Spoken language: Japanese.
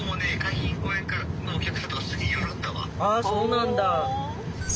あっそうなんだ。